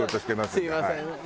すみません。